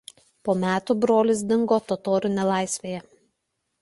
Po metų brolis dingo totorių nelaisvėje.